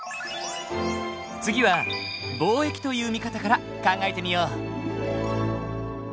次は貿易という見方から考えてみよう。